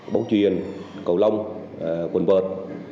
bấu truyền cầu lông quần vợt